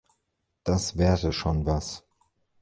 Das wäre schon was.